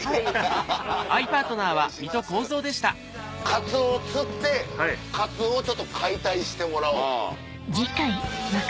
カツオを釣ってカツオをちょっと解体してもらおうと。